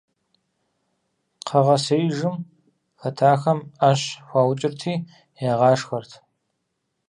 Кхъэгъэсеижым хэтахэм Ӏэщ хуаукӀырти ягъашхэрт.